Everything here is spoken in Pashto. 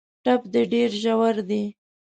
ټپ دي ډېر ژور دی .